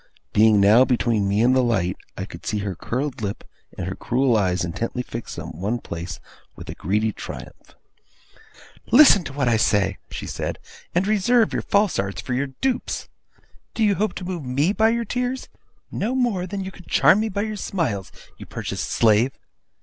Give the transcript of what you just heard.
Being now between me and the light, I could see her curled lip, and her cruel eyes intently fixed on one place, with a greedy triumph. 'Listen to what I say!' she said; 'and reserve your false arts for your dupes. Do you hope to move me by your tears? No more than you could charm me by your smiles, you purchased slave.